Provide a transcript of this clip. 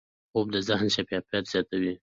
خوب د ذهن شفافیت زیاتوي